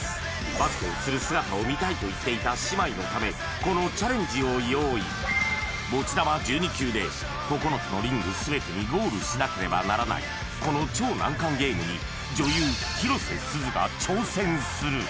バスケをする姿を見たいと言っていた姉妹のためこのチャレンジを用意持ち玉は１２球で９つのリング全てにゴールしなければならないこの超難関ゲームに女優広瀬すずが挑戦する！